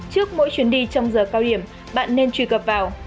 trước mỗi chuyến đi trong giờ cao điểm bạn nên truy cập vào